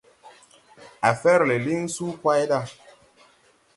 A fer le liŋ suu kway ɗa.